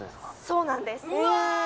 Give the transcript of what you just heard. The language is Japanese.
そうなんですえ！